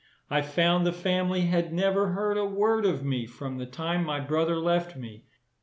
I found the family had never heard a word of me from the time my brother left me.